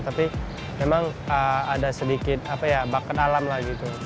tapi memang ada sedikit bakat alam lagi itu